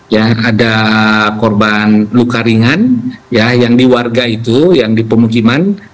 ya ada korban luka ringan ya yang di warga itu yang di pemukiman